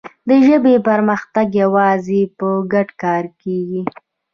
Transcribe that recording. د ژبې پرمختګ یوازې په ګډ کار کېږي.